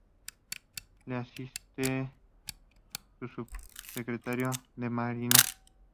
Le asiste un Subsecretario de Marina.